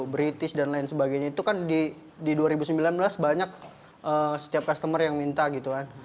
british dan lain sebagainya itu kan di dua ribu sembilan belas banyak setiap customer yang minta gitu kan